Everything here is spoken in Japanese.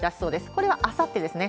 これはあさってですね。